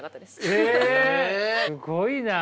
えすごいな。